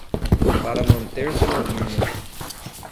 para manter suas línguas